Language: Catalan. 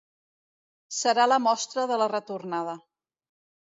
Serà la mostra de la retornada.